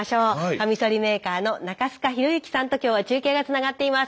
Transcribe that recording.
カミソリメーカーの中須賀浩之さんと今日は中継がつながっています。